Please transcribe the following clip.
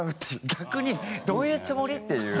逆にどういうつもり？っていう。